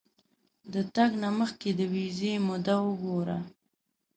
د تګ نه مخکې د ویزې موده وګوره.